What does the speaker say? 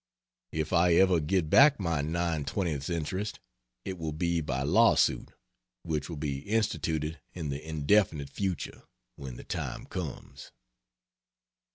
If I ever get back my nine twentieths interest, it will be by law suit which will be instituted in the indefinite future, when the time comes.